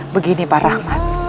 begini pak rahmat